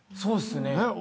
そうっすね。